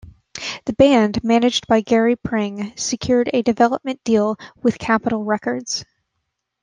The band, managed by Gary Pring, secured a development deal with Capitol Records.